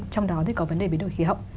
trong đó thì có vấn đề biến đổi khí hậu